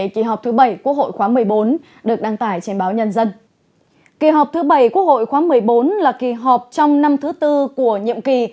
kỳ họp thứ bảy quốc hội khóa một mươi bốn là kỳ họp trong năm thứ tư của nhiệm kỳ